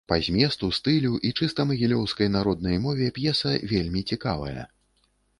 Па зместу, стылю і чыста магілёўскай народнай мове п'еса вельмі цікавая.